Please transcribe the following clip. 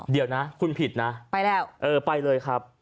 เดี๋ยวนะคุณผิดนะไปเลยครับ